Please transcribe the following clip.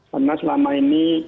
karena selama ini